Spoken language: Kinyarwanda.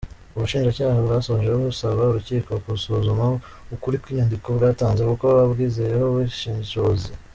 Ubushinjacyaha bwasoje busaba urukiko gusuzuma ukuri kw’inyandiko bwatanze kuko babwizeyeho ubushishozi.